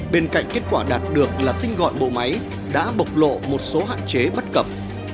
bên cạnh kết quả đạt được là tinh gọn bộ máy đã bộc lộ một số hạn chế bất cập